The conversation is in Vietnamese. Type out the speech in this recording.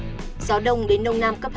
gió đông đến nông nam cấp hai ba